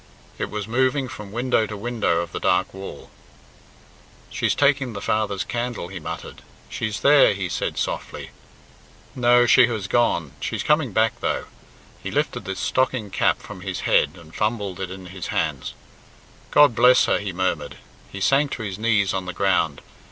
It was moving from window to window of the dark wall. "She's taking the father's candle," he muttered. "She's there," he said softly. "No, she has gone. She's coming back though." He lifted the stocking cap from his head and fumbled it in his hands. "God bless her," he murmured. He sank to his knees on the ground.